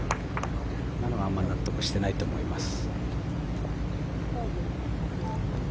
今のはあまり納得していないと思います。